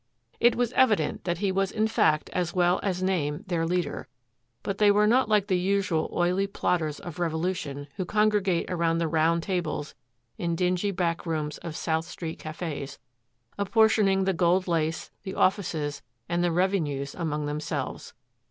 It was evident that he was in fact as well as name their leader, but they were not like the usual oily plotters of revolution who congregate about the round tables in dingy back rooms of South Street cafes, apportioning the gold lace, the offices, and the revenues among themselves.